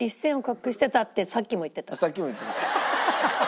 さっきも言ってました。